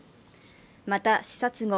また、視察後、